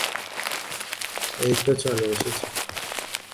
এইতো চলে এসেছি।